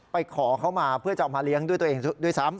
ขอเขามาเพื่อจะเอามาเลี้ยงด้วยตัวเองด้วยซ้ำ